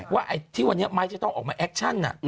ว่าที่วันนี้ไมค์จะต้องออกมาแอคชั่นอ่ะ